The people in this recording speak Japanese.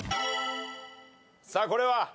さあこれは？